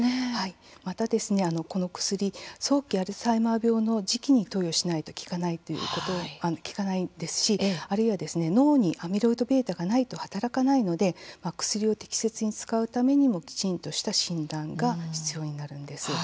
また、この薬早期アルツハイマー病の時期に投与しないと薬が効かないですしあるいは脳にアミロイドβがないと働かないので薬を適切に使うためにもきちんとした診断が必要になるんです。